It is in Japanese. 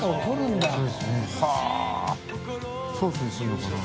呂繊ソースにするのかな？